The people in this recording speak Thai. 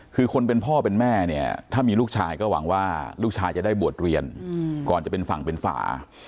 คือคนเป็นพ่อเป็นแม่เนี่ยถ้ามีลูกชายก็หวังว่าลูกชายจะได้บวชเรียนก่อนจะเป็นฝั่งเป็นฝา